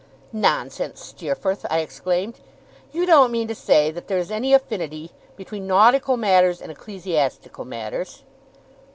'Nonsense, Steerforth!' I exclaimed. 'You don't mean to say that there is any affinity between nautical matters and ecclesiastical matters?